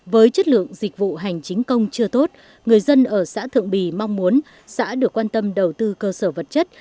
với chất lượng dịch vụ hành chính công chưa tốt người dân ở xã thượng bì mong muốn xã được quan tâm đầu tư cơ sở vật chất